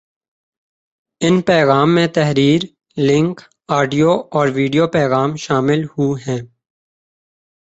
ان پیغام میں تحریر ، لنک ، آڈیو اور ویڈیو پیغام شامل ہو ہیں